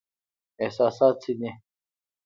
احساسات څه دي؟